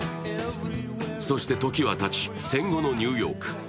そして時はたち戦後のニューヨーク。